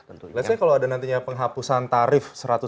let's say kalau ada nantinya penghapusan tarif